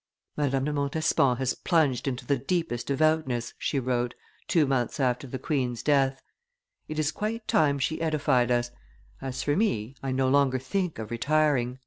"Madame de Montespan has plunged into the deepest devoutness," she wrote, two months after the queen's death; "it is quite time she edified us; as for me, I no longer think of retiring."